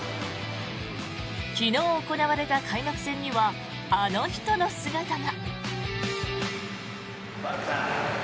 昨日、行われた開幕戦にはあの人の姿が。